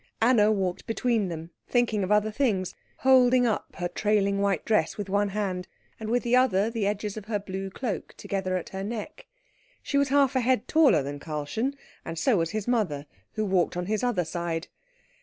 Anna walked between them, thinking of other things, holding up her trailing white dress with one hand, and with the other the edges of her blue cloak together at her neck. She was half a head taller than Karlchen, and so was his mother, who walked on his other side.